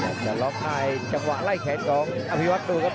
อยากจะร้องไห้จังหวะไล่แขนของอภิวัตรตัวครับ